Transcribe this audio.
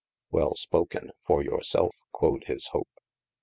Wei spoke for your self quod his Hope.